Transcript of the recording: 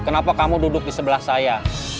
kenapa kamu duduk di sebelah saya